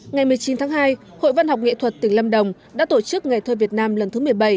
ngày một mươi chín tháng hai hội văn học nghệ thuật tỉnh lâm đồng đã tổ chức ngày thơ việt nam lần thứ một mươi bảy